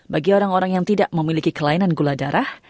bagi orang orang yang tidak memiliki kelainan gula darah